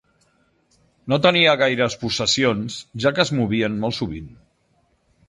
No tenia gaires possessions, ja que es movien molt sovint.